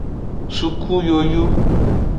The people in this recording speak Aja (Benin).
Suku yoyu.